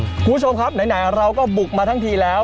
คุณผู้ชมครับไหนเราก็บุกมาทั้งทีแล้ว